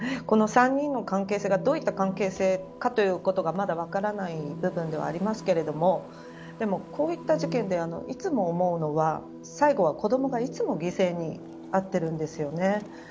この３人の関係性がどういった関係性かまだ分からない部分ではありますがでもこういった事件でいつも思うのは最後は、子どもがいつも犠牲にあってるんですよね。